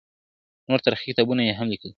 نور تاريخي کتابونه يې هم ليکلي